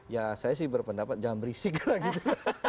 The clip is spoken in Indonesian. ya saya sih berpendapat jangan berisik lah gitu